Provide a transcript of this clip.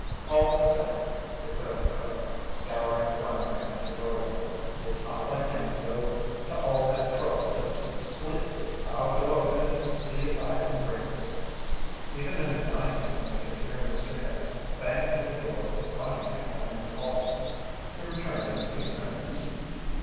"All the same," declared the cook, scouring a frying pan in the doorway, "it's not like him to go to all that trouble just to sleep. I'll go up and see if I can raise him." Even in the dining room they could hear Mr. Hicks banging on the door with the frying pan, and calling. He returned in a few minutes.